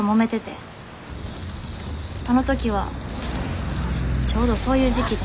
あの時はちょうどそういう時期で。